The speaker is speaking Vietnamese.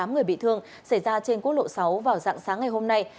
một mươi tám người bị thương xảy ra trên quốc lộ sáu vào dạng sáng ngày hôm nay